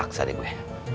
paksa deh gue